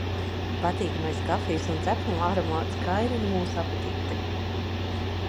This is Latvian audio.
Patīkamais kafijas un cepumu aromāts kairina mūsu apetīti.